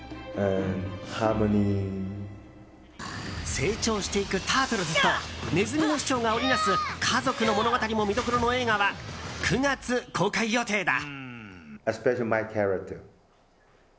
成長していくタートルズとネズミの師匠が織りなす家族の物語も見どころの映画は９月公開予定だ。